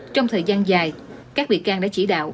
trong thời gian dài các bị can đã chỉ đạo